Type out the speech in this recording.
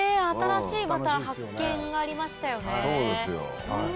新しい発見がありましたよね。